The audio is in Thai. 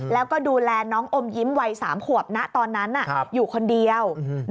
แล้วก็ดูแลน้องอมยิ้มวัย๓ขวบนะตอนนั้นอยู่คนเดียว